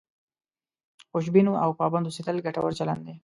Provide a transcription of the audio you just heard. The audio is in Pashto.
خوشبین او پابند اوسېدل ګټور چلند دی.